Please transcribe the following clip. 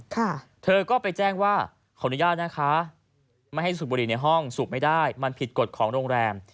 เธอก็ไปแจ้งว่าขออนุญาตนะคะไม่ให้สูบบุหรี่ในห้องสูบไม่ได้มันผิดกฎของโรงแรม